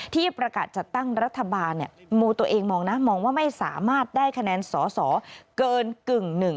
ที่ประกาศจัดตั้งรัฐบาลมูตัวเองมองนะมองว่าไม่สามารถได้คะแนนสอสอเกินกึ่งหนึ่ง